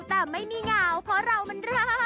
แต่ไม่มีเหงาเเตอร้อน